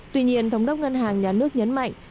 tuy nhiên thống đốc ngân hàng nhà nước nhấn mạnh